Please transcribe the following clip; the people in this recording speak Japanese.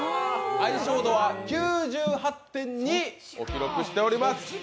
相性度は９８．２を記録しております。